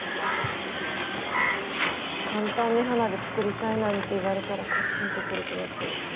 簡単に花火作りたいなんて言われたらカチンとくる気持ち